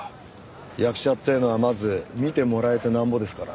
役者っていうのはまず見てもらえてなんぼですから。